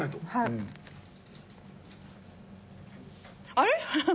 あれ？